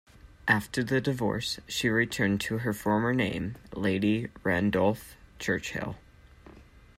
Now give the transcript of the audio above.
After their divorce, she returned to her former name : Lady Randolph Churchill.